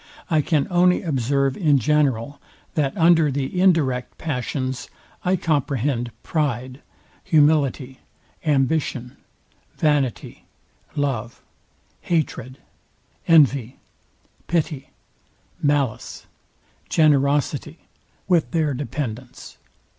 I can only observe in general, that under the indirect passions I comprehend pride, humility, ambition, vanity, love, hatred, envy, pity, malice, generosity, with their dependants.